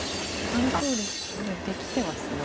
ありそうですね。